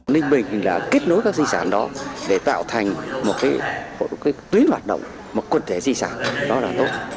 ninh bình đã kết nối các di sản đó để tạo thành một tuyến hoạt động một quần thể di sản đó là tốt